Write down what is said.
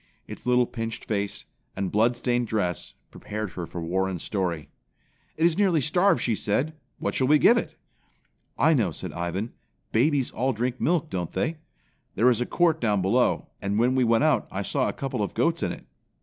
Its little pinched face, and bloodstained dress prepared her for Warren's story. "It is nearly starved," she said. "What shall we give it?" "I know," said Ivan. "Babies all drink milk, don't they? There is a court down below, and when we went out I saw a couple of goats in it."